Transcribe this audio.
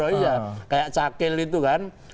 iya kayak cakil itu kan